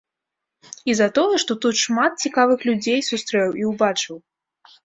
І за тое, што тут шмат цікавых людзей сустрэў і ўбачыў.